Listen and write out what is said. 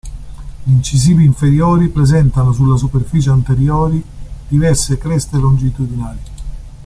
Gli incisivi inferiori presentano sulla superficie anteriori diverse creste longitudinali.